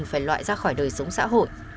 phải loại ra khỏi đời sống xã hội